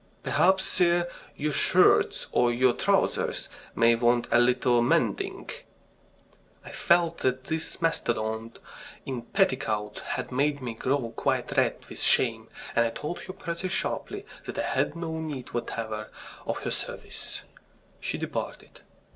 "Perhaps, sir, your shirts or your trousers may want a little mending?" I felt that this mastodon in petticoats had made me grow quite red with shame, and I told her pretty sharply that I had no need whatever of her services. She departed.